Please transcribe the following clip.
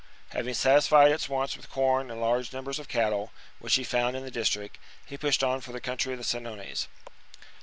Having satisfied its wants with corn and large numbers of cattle, which he found in the district, he pushed on for the country of the Senones.